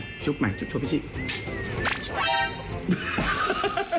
อ่ะจุ๊บใหม่จุ๊บพี่ชีลูป